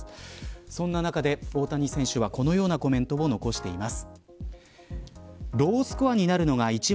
そんな中で、大谷選手はこのようなコメントを残しています。